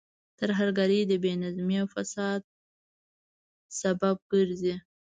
ترهګرۍ د بې نظمۍ او فساد سبب ګرځي.